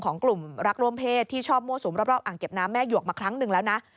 ของกลุ่มรักร่วมเพศที่ชอบมั่วสุมรอบอ่างเก็บน้ำแม่หยวกมาครั้งหนึ่งแล้วนะ